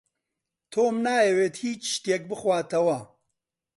تۆم نایەوێت هێچ شتێک بخواتەوە.